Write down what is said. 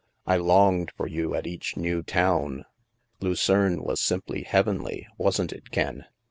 I longed for you at each new town ! Lucerne was simply heavenly, wasn't it, Ken?